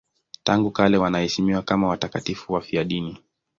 Tangu kale wanaheshimiwa kama watakatifu wafiadini.